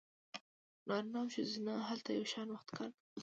نارینه او ښځینه هلته یو شان وخت کار کوي